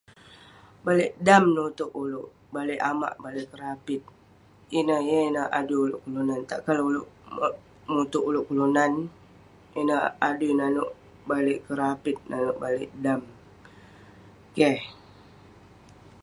Baliek dam nuteuk oleuk baliek amak baliek kerapit ineh yeng ineh adui oleuk kelunan takkan lah oleuk muteuk oleuk kelunan ineh adui nanuek baliek kerapit nanuek baliek dam keh